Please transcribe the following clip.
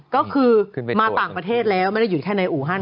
ก็คือมาต่างประเทศแล้วไม่ได้อยู่แค่ในอูฮัน